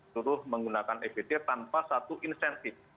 suruh menggunakan ebt tanpa satu insentif